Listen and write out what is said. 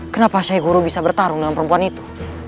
kenapa syai guru bisa bertarung dengan perempuan itu